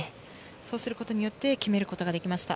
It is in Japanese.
それによって決めることができました。